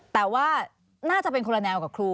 แต่ว่าน่าจะเป็นคนละแนวกับครู